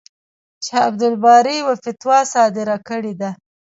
چې عبدالباري یوه فتوا صادره کړې ده.